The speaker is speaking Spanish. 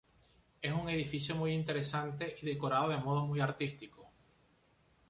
Es un edificio muy interesante y decorado de modo muy artístico.